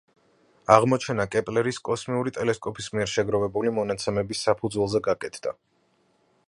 აღმოჩენა კეპლერის კოსმოსური ტელესკოპის მიერ შეგროვილი მონაცემების საფუძველზე გაკეთდა.